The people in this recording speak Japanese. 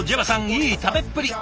いい食べっぷり！